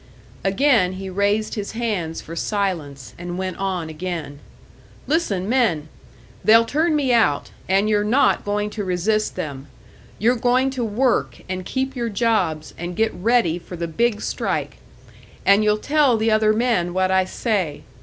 Again he raised his hands for silence, and went on again. "Listen, men. They'll turn me out, and you're not going to resist them. You're going to work and keep your jobs, and get ready for the big strike. And you'll tell the other men what I say.